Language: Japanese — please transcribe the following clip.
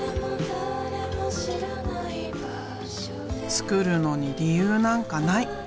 作るのに理由なんかない。